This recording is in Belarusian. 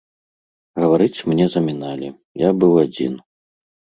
Гаварыць мне заміналі, я быў адзін.